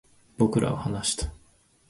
僕らは話した